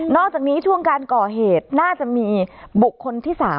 อกจากนี้ช่วงการก่อเหตุน่าจะมีบุคคลที่๓